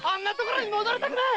戻りたくない！